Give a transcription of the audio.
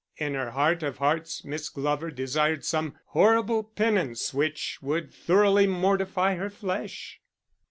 In her heart of hearts, Miss Glover desired some horrible penance which would thoroughly mortify her flesh.